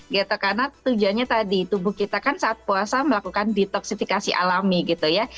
karena tujuannya tadi tubuh kita kan saat puasa melakukan detoksifikasi alami gitu ya